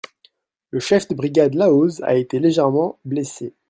Le chef de brigade Lahoz a été légèrement blessé.